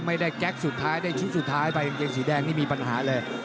แก๊กสุดท้ายได้ชุดสุดท้ายไปกางเกงสีแดงนี่มีปัญหาเลย